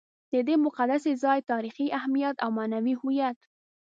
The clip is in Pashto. د دې مقدس ځای تاریخي اهمیت او معنوي هویت.